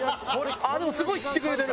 すごい切ってくれてる。